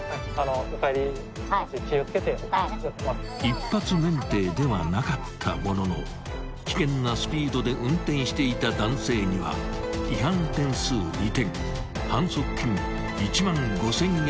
［一発免停ではなかったものの危険なスピードで運転していた男性には違反点数２点反則金１万５，０００円が科された］